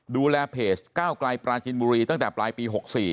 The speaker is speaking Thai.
ดูแลเพจก้าวไกลปราจินบุรีตั้งแต่ปลายปี๖๔